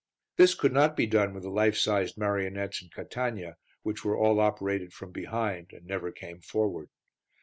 This could not be done with the life sized marionettes in Catania, which were all operated from behind, and never came forward.